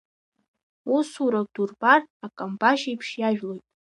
Усурак дурбар акамбашь еиԥш иажәлоит.